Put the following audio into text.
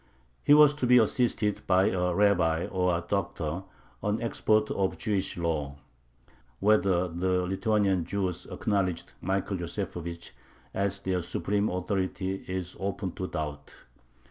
He was to be assisted by a rabbi or "doctor," an expert in Jewish law. Whether the Lithuanian Jews acknowledged Michael Yosefovich as their supreme authority is open to doubt.